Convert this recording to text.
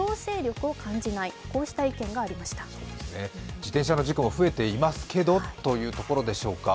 自転車の事故も増えていますけどというところでしょうか。